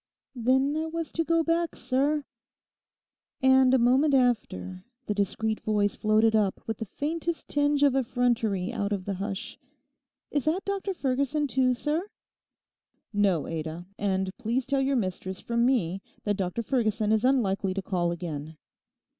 'Then I was to go back, sir.' And a moment after the discreet voice floated up with the faintest tinge of effrontery out of the hush. 'Is that Dr Ferguson, too sir?' 'No, Ada; and please tell your mistress from me that Dr Ferguson is unlikely to call again.